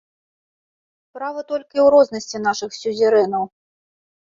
Справа толькі ў рознасці нашых сюзерэнаў.